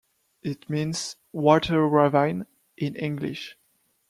It means "Water Ravine" in English.